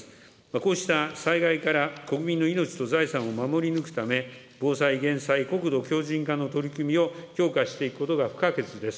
こうした災害から国民の命と財産を守り抜くため、防災・減災・国土強じん化の取り組みを強化していくことが不可欠です。